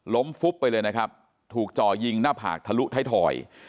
ฟุบไปเลยนะครับถูกจ่อยิงหน้าผากทะลุท้ายถอย